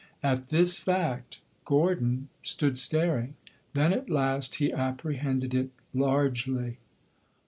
At this fact Gordon stood staring; then at last he apprehended it largely.